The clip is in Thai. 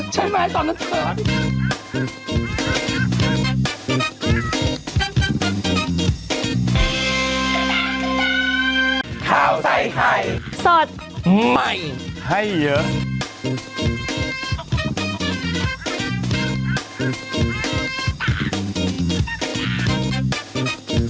ใช่ไหมตอนนั้นเธอ